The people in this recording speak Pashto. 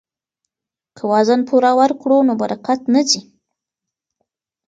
که وزن پوره ورکړو نو برکت نه ځي.